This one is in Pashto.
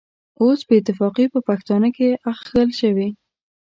اوس بې اتفاقي په پښتانه کې اخښل شوې.